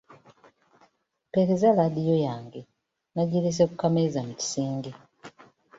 Mpeereza laadiyo yange nagirese ku kameeza mu kisenge.